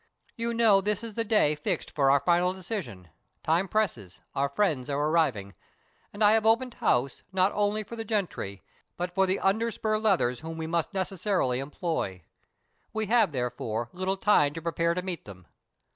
You know this is the day fixed for our final decision time presses our friends are arriving, and I have opened house, not only for the gentry, but for the under spur leathers whom we must necessarily employ. We have, therefore, little time to prepare to meet them.